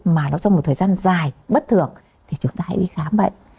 mà nó trong một thời gian dài bất thường thì chúng ta hãy đi khám bệnh